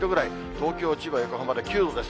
東京、千葉、横浜で９度です。